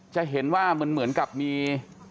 จะเห็นว่าเหมือนกับมี